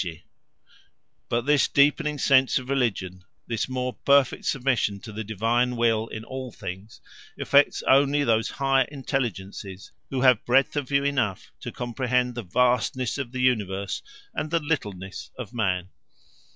_ But this deepening sense of religion, this more perfect submission to the divine will in all things, affects only those higher intelligences who have breadth of view enough to comprehend the vastness of the universe and the littleness of man.